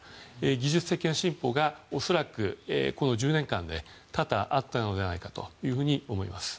技術的な進歩が恐らく、この１０年間で多々あったのではないかと思います。